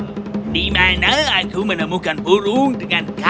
oh di mana aku menemukan burung dengan kaki patah